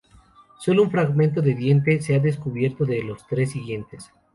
Sólo un fragmento de un diente se ha descubierto de los tres siguientes.